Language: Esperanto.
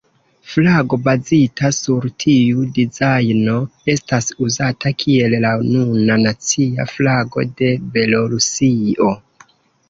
Flago bazita sur tiu dizajno estas uzata kiel la nuna nacia flago de Belorusio.